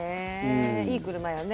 いい車よね。